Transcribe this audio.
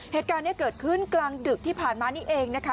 เหตุการณ์นี้เกิดขึ้นกลางดึกที่ผ่านมานี่เองนะคะ